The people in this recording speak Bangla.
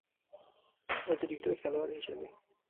অতিরিক্ত খেলোয়ার হিসেবে।